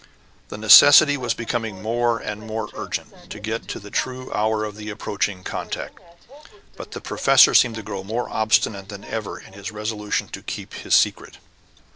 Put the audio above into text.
The necessity was becoming more and more urgent to get at the true hour of the approaching contact, but the professor seemed to grow more obstinate than ever in his resolution to keep his secret.